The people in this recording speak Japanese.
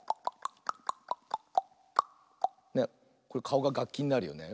かおががっきになるよね。